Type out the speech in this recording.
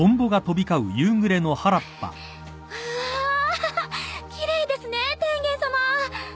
うわ奇麗ですね天元さま。